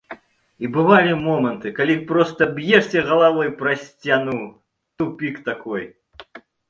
І бывалі моманты, калі проста б'ешся галавой пра сцяну, тупік такой.